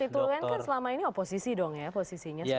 berarti suara konstituen kan selama ini oposisi dong ya